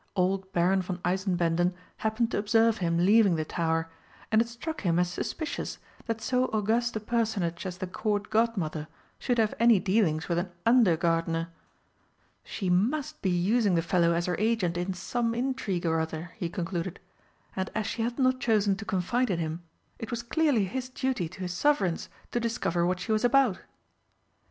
Old Baron von Eisenbänden happened to observe him leaving the tower, and it struck him as suspicious that so august a personage as the Court Godmother should have any dealings with an under gardener. She must be using the fellow as her agent in some intrigue or other, he concluded, and, as she had not chosen to confide in him, it was clearly his duty to his Sovereigns to discover what she was about.